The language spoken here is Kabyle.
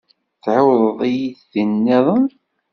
Tɛiwed-iyi-d tin nniḍen.